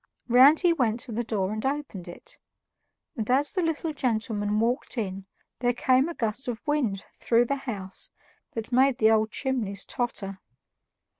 Round he went to the door and opened it; and as the little gentleman walked in, there came a gust of wind through the house that made the old chimneys totter.